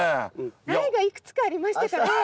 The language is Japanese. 苗がいくつかありましたからね。